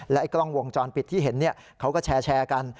ไอ้กล้องวงจรปิดที่เห็นเขาก็แชร์กัน